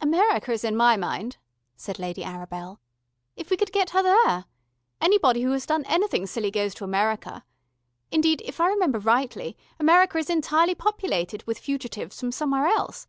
"America is in my mind," said Lady Arabel. "If we could get her there. Anybody who has done anything silly goes to America. Indeed, if I remember rightly, America is entirely populated with fugitives from somewhere else.